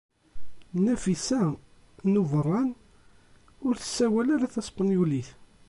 Nafisa n Ubeṛṛan ur tessawal ara taspenyulit.